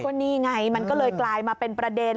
ก็นี่ไงมันก็เลยกลายมาเป็นประเด็น